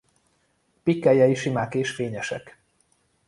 Pikkelyei simák és fényesek.